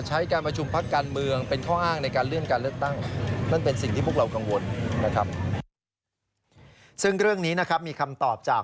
ซึ่งเรื่องนี้มีคำตอบจาก